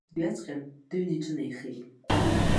Дҩаҵҟьан, дыҩны иҿынеихеит.